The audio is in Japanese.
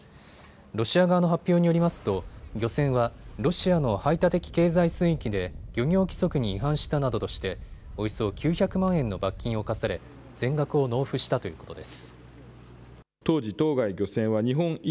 ロシア側の発表によりますと漁船はロシアの排他的経済水域で漁業規則に違反したなどとしておよそ９００万円の罰金を科され全額を納付したということです。